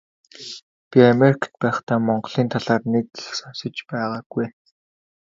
Би Америкт байхдаа Монголын талаар нэг их сонсож байгаагүй.